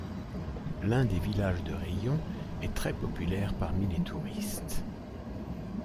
L'un des villages de rayon est très populaire parmi les touristes.